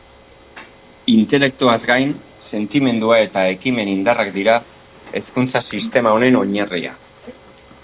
Intelektoaz gain, sentimendua eta ekimen indarrak dira hezkuntza sistema honen oinarria.